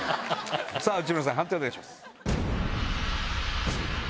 さぁ内村さん判定をお願いします。